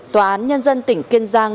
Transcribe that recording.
tòa án nhân dân tỉnh kiên giang